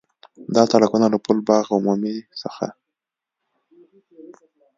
دا سړکونه له پُل باغ عمومي څخه